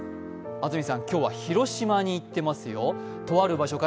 安住さん、今日は広島に行ってますよ。